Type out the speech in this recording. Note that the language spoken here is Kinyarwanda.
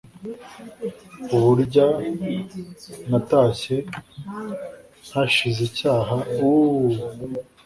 uburya natashye ntashize icyaka = uuu-uuuu-u